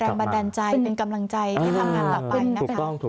เป็นแรงบันดาลใจเป็นกำลังใจที่ทำให้เราไปนะครับ